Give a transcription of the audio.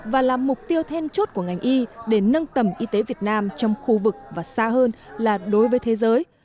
và là mục tiêu then chốt của ngành y để nâng tầm y tế việt nam trong khu vực và xa hơn là đối với thế giới